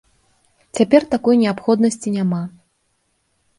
Цяпер такой неабходнасці няма.